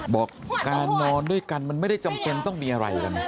บอกการนอนด้วยกันมันไม่ได้จำเป็นต้องมีอะไรกันนะ